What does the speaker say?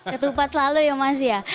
ketupat selalu ya mas ya